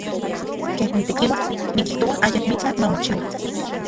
Ken nitekiua, nikijtoa ayakmitlaj mamochiua.